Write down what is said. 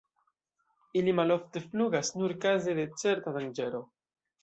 Ili malofte flugas, nur kaze de certa danĝero.